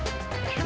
udah saya siapkan